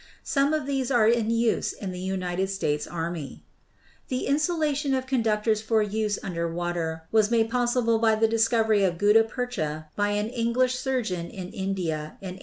Some of these are in use in the United States army. The insulation of conductors for use under water was made possible by the discovery of gutta percha by an Eng lish surgeon in India in 1842.